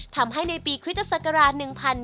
ทำให้ในปีคริสตศักราช๑๕